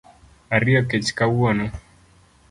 Ariyo kech kawuono